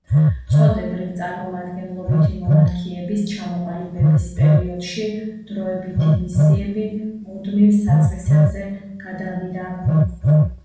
წოდებრივ-წარმომადგენლობითი მონარქიების ჩამოყალიბების პერიოდში დროებითი მისიები მუდმივ საწყისებზე გადავიდა.